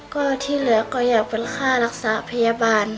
ก็อยากเป็นใครรักษาพยาบาล